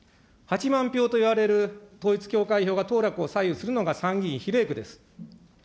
８万票といわれる統一教会票が当落を左右するの参議院比例区です。